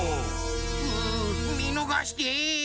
ううみのがして。